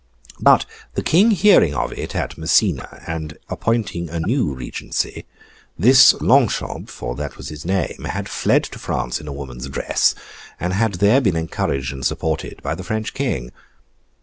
But the King hearing of it at Messina, and appointing a new Regency, this Longchamp (for that was his name) had fled to France in a woman's dress, and had there been encouraged and supported by the French King.